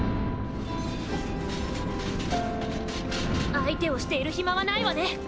相手をしているヒマはないわね。